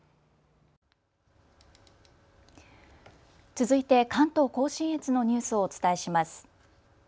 続いて関東甲信越のニュースをお伝えします。